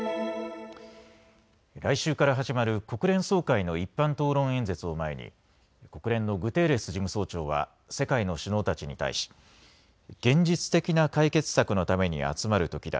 来週から始まる国連総会の一般討論演説を前に国連のグテーレス事務総長は世界の首脳たちに対し現実的な解決策のために集まるときだ。